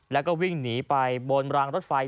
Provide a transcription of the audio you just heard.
แล้วก็วิ่งหนีไปบนรางรถไฟ